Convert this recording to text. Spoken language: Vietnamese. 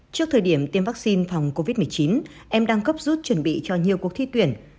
trước thời điểm tiêm vaccine phòng covid một mươi chín em đang cấp rút chuẩn bị cho nhiều cuộc thi tuyển